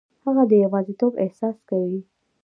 هغه د یوازیتوب احساس کوي.